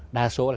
đa số là